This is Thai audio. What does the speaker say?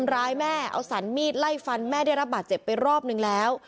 แม่เอาสรรมีดไล่ฟันแม่ได้รับบาดเจ็บไปรอบนึงแล้ว